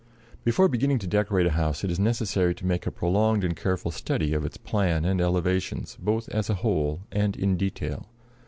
Before beginning to decorate a house it is necessary to make a prolonged and careful study of its plan and elevations, both as a whole and in detail.